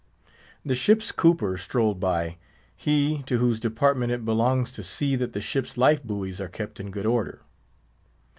The ship's cooper strolled by; he, to whose department it belongs to see that the ship's life buoys are kept in good order.